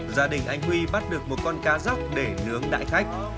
gia đình anh huy bắt được một con cá rắc để nướng đại khách